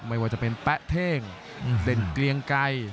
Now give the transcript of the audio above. ไม่ว่าจะเป็นแป๊ะเท่งเด่นเกลียงไกร